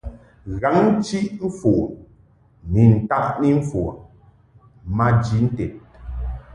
Ghǎŋ-chiʼ-mfon ni ntaʼni mfon maji nted.